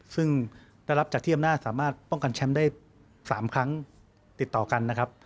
ซึ่งได้รับจากที่อำนาจสามารถป้องกันแชมป์ได้๓ครั้งติดต่อกันนะครับ